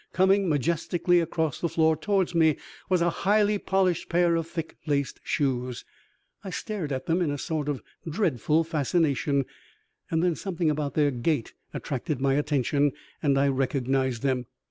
Coming majestically across the floor towards me was a highly polished pair of thick laced shoes. I stared at them in a sort of dreadful fascination, and then something about their gait attracted my attention and I recognized them.